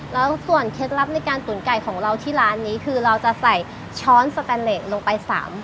แล้วส่วนเคล็ดลับในการตุ๋นไก่ของเราที่ร้านนี้คือเราจะใส่ช้อนสแตนเลสลงไป๓